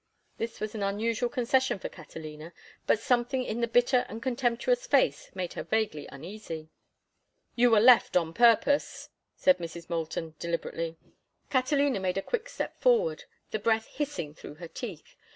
This was an unusual concession for Catalina, but something in the bitter and contemptuous face made her vaguely uneasy. "You were left on purpose," said Mrs. Moulton, deliberately. Catalina made a quick step forward, the breath hissing through her teeth.